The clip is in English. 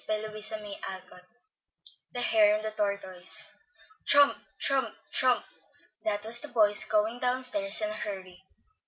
The HARE AND THE TORTOISE Tramp, tramp, tramp! that was the boys going down stairs in a hurry.